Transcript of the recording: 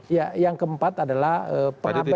iya yang keempat adalah pengabaian kewajiban hukum